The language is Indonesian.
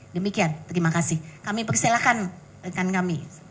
demikian terima kasih kami persilahkan rekan kami